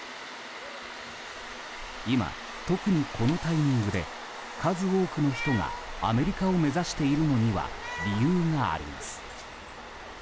今、特にこのタイミングで数多くの人がアメリカを目指しているのには理由があります。